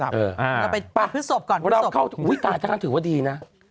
เราไปพึกศพก่อนพึกศพอุ๊ยตายทางถือว่าดีนะ